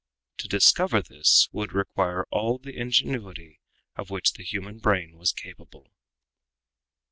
To discover this would require all the ingenuity of which the human brain was capable.